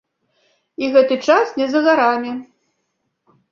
І гэты час не за гарамі.